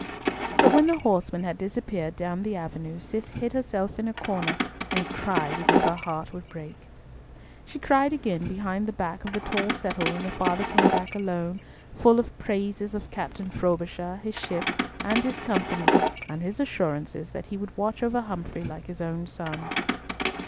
But when the horsemen had disappeared down the avenue, Cis hid herself in a corner and cried as if her heart would break. She cried again behind the back of the tall settle when the father came back alone, full of praises of Captain Frobisher, his ship, and his company, and his assurances that he would watch over Humfrey like his own son.